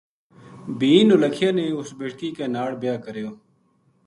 بھی نولکھیا نے اُس بیٹکی کے ناڑ بیاہ کریو